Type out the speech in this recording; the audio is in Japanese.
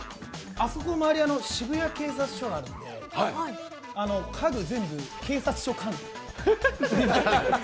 あそこ近くに渋谷警察署があるんで家具、全部、警察署管内。